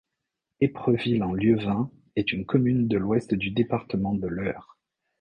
Épreville-en-Lieuvin est une commune de l'Ouest du département de l'Eure.